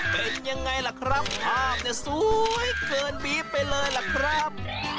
เป็นอย่างไรล่ะครับภาพสวยเกินบีดไปเลยล่ะครับ